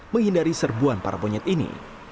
menghindari serbuan para monyet ini